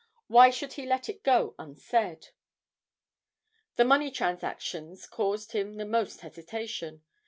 Why should he let it go unsaid? The money transactions caused him the most hesitation.